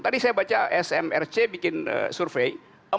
tadi saya baca smrc bikin survei